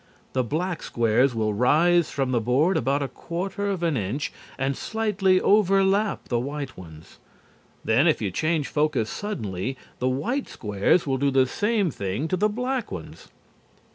The black squares will rise from the board about a quarter of an inch and slightly overlap the white ones. Then, if you change focus suddenly, the white squares will do the same thing to the black ones.